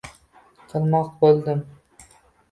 Qilmoq bo’ldim